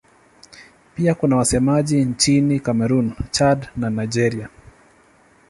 Pia kuna wasemaji nchini Kamerun, Chad na Nigeria.